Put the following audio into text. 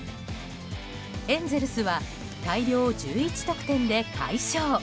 エンゼルスは大量１１得点で快勝。